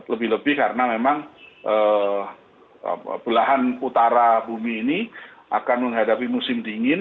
lebih lebih karena memang belahan utara bumi ini akan menghadapi musim dingin